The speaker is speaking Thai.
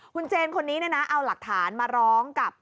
คุณเจนคนนี้เนี่ยนะเอาหลักฐานมาร้องกับ